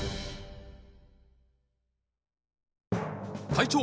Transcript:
隊長！